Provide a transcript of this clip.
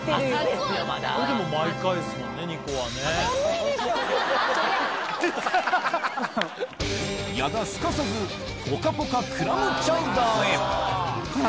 すかさずポカポカクラムチャウダーへほら